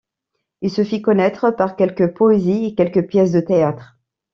Il se fit connaître par quelques poésies et quelques pièces de théâtre.